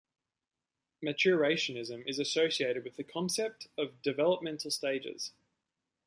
Maturationism is associated with the concept of developmental stages.